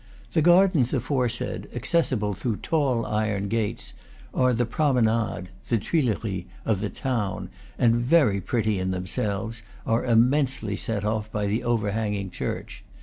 The gardens aforesaid, accessible through tall iron gates, are the promenade the Tuileries of the town, and, very pretty in themselves, are immensely set off by the overhanging church.